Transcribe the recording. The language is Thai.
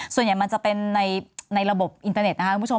ส่วนใหญ่มันจะเป็นในระบบอินเตอร์เน็ตนะคะคุณผู้ชม